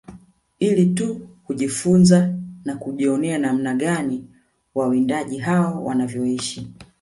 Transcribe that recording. Ili tu kujifunza na kujionea namna gani wawindaji hao wanavyoishi